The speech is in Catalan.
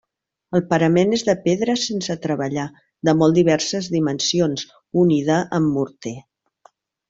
El parament és de pedra sense treballar, de molt diverses dimensions, unida amb morter.